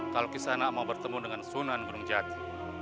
kalau kisah nama bertemu dengan sunan gunung jati